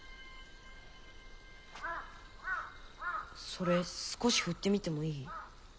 それ少し振ってみてもいい？